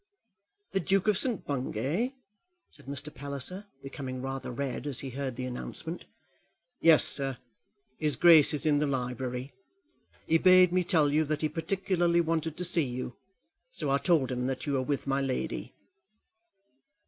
"The Duke of St. Bungay!" said Mr. Palliser, becoming rather red as he heard the announcement. "Yes, sir, his grace is in the library. He bade me tell you that he particularly wanted to see you; so I told him that you were with my lady."